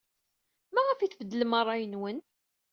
Maɣef ay tbeddlem ṛṛay-nwen?